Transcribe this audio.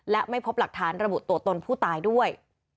และไม่พบหลักฐานระบุตัวตนผู้ตายด้วย